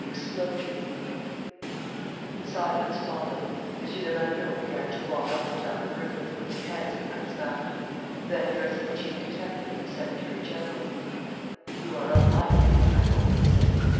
Silence followed. M. Desmalions began to walk up and down the room, with his hands behind his back. Then, addressing the chief detective and the secretary general: "You are of my opinion, I hope?" he said.